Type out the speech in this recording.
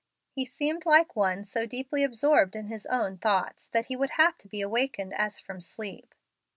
He seemed like one so deeply absorbed in his own thoughts that he would have to be awakened as from sleep.